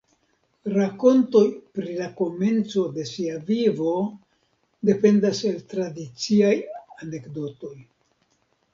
Rakontoj pri la komenco de sia vivo dependas el tradiciaj anekdotoj.